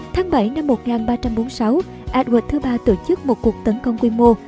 tháng bảy năm một nghìn ba trăm bốn mươi sáu edward thứ ba tổ chức một cuộc tấn công quy mô